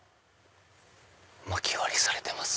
まき割りされてます。